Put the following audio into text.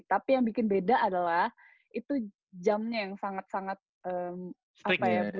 tapi yang bikin beda adalah itu jamnya yang sangat sangat apa ya